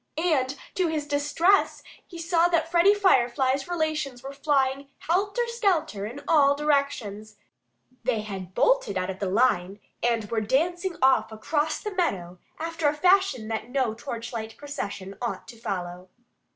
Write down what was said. And to his distress he saw that Freddie Firefly's relations were flying helter skelter in all directions. They had bolted out of the line and were dancing off across the meadow after a fashion that no torchlight procession ought to follow.